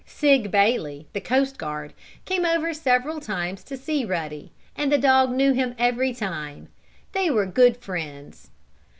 Sig Bailey, the coast guard, came over several times to see Ruddy, and the dog knew him every time. They were good friends.